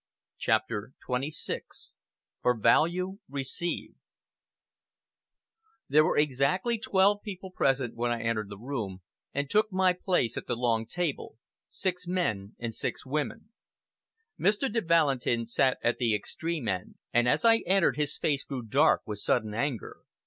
CHAPTER XXVI FOR VALUE RECEIVED There were exactly twelve people present when I entered the room and took my place at the long table six men and six women, Mr. de Valentin sat at the extreme end, and as I entered his face grew dark with sudden anger.